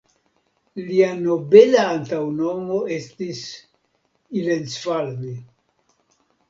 Lia nobela antaŭnomo estis "ilencfalvi".